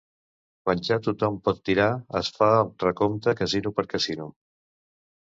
Quan ja tothom pot tirar es fa el recompte casino per casino.